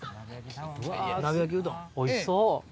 おいしそう。